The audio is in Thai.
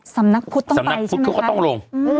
สำนักพุทธต้องไปใช่ไหมครับสำนักพุทธเขาก็ต้องลง